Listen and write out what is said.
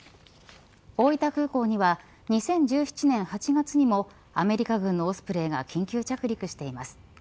大分空港には２０１７年８月にもアメリカ軍のオスプレイが緊急着陸しています。